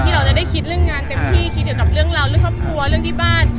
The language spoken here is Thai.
เราจะได้คิดเรื่องงานเต็มที่คิดเกี่ยวกับเรื่องราวเรื่องครอบครัวเรื่องที่บ้าน